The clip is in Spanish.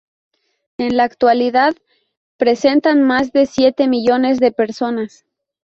En la actualidad representan más de siete millones de personas.